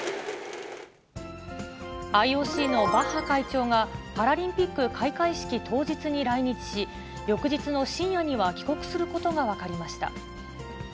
ＩＯＣのバッハ会長がパラリンピック開会式当日に来日し、翌日の深夜には帰国することが分かりました。